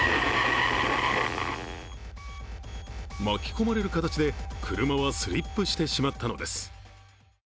巻き込まれる形で車はスリップしてしまったのです。